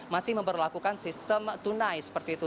masih memperlakukan sistem tunai seperti itu